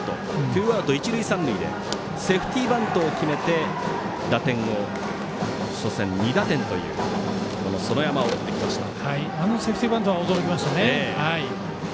ツーアウト、一塁三塁でセーフティーバントを決めて打点を初戦２打点という園山を送ってきました。